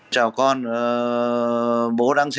chào con bố đang chơi